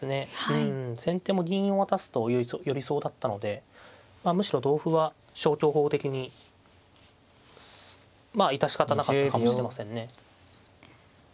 うん先手も銀を渡すと寄りそうだったのでむしろ同歩は消去法的にまあ致し方なかったかもしれませんね。